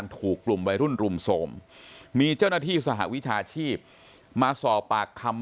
ถูกกลุ่มวัยรุ่นรุมโทรมมีเจ้าหน้าที่สหวิชาชีพมาสอบปากคำ